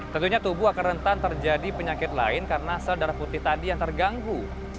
tentunya tubuh akan rentan terjadi penyakit lain karena sel darah putih tadi yang terganggu